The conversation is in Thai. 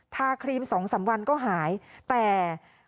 ครีม๒๓วันก็หายแต่